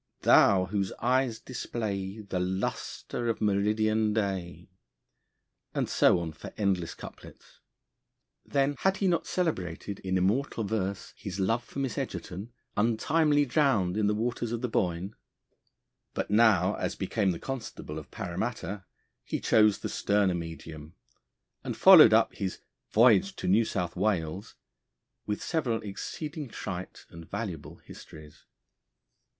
thou whose eyes display The lustre of meridian day; and so on for endless couplets. Then, had he not celebrated in immortal verse his love for Miss Egerton, untimely drowned in the waters of the Boyne? But now, as became the Constable of Paramatta, he chose the sterner medium, and followed up his 'Voyage to New South Wales' with several exceeding trite and valuable histories.